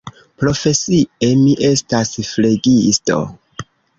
Profesie mi estas flegisto.